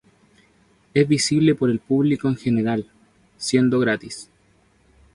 Es visitable por el público en general, siendo gratis.